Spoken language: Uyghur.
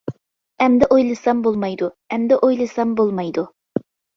ئەمدى ئويلىسام بولمايدۇ، ئەمدى ئويلىسام بولمايدۇ.